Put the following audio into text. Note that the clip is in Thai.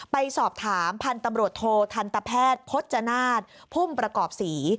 ไปสอบถามพันธุ์ตำรวจโททันตแพทย์พจนาศพุ่มประกอบศรี